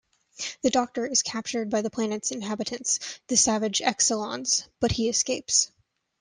The Doctor is captured by the planet's inhabitants, the savage Exxilons, but he escapes.